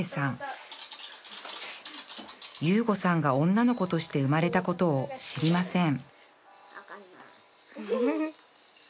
悠悟さんが女の子として生まれたことを知りません